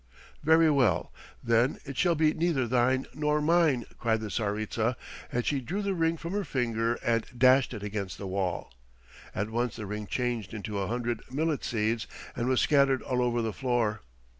"Very well, then, it shall be neither thine nor mine," cried the Tsaritsa, and she drew the ring from her finger and dashed it against the wall. At once the ring changed into a hundred millet seeds and was scattered all over the floor.